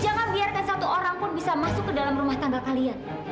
jangan biarkan satu orang pun bisa masuk ke dalam rumah tangga kalian